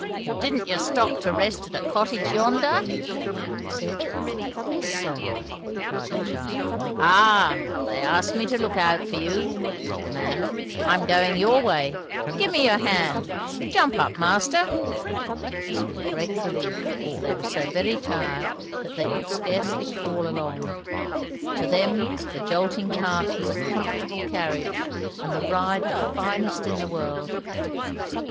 "Didn't you stop to rest at a cottage yonder?" he said. "Yes, sir," replied the child. "Ah! they asked me to look out for you," said the man. "I'm going your way. Give me your hand; jump up, master." This was a great relief, for they were so very tired that they could scarcely crawl along. To them the jolting cart was a comfortable carriage, and the ride the finest in the world.